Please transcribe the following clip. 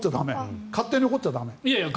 勝手に掘っちゃ駄目。